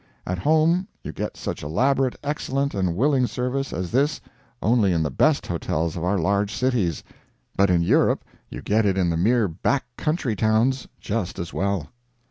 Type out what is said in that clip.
At home you get such elaborate, excellent, and willing service as this only in the best hotels of our large cities; but in Europe you get it in the mere back country towns just as well.